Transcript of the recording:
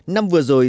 năm vừa rồi